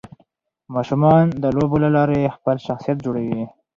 ماشومان د لوبو له لارې خپل شخصيت جوړوي.